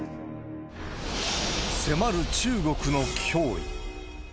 迫る中国の脅威。